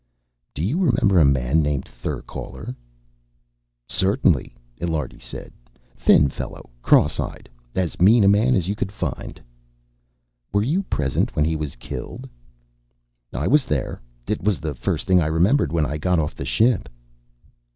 "Do you remember a man named Therkaler?" "Certainly," Illiardi said. "Thin fellow. Cross eyed. As mean a man as you could find." "Were you present when he was killed?" "I was there. It was the first thing I remembered when I got off the ship."